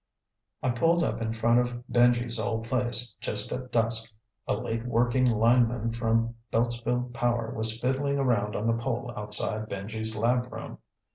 I pulled up in front of Benji's old place just at dusk. A late working lineman from Beltsville Power was fiddling around on the pole outside Benji's lab room.